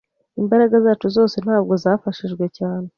Imbaraga zacu zose ntabwo zafashijwe cyane.